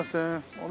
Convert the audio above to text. あれ？